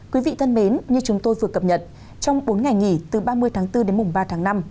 quý vị thân mến như chúng tôi vừa cập nhật trong bốn ngày nghỉ từ ba mươi tháng bốn đến mùng ba tháng năm